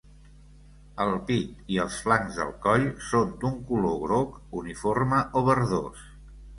El pit i els flancs del coll són d'un color groc uniforme o verdós.